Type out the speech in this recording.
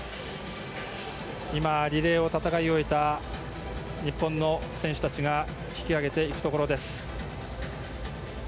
今、リレーを戦い終えた日本の選手たちが引き揚げていくところです。